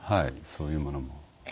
そういうものも。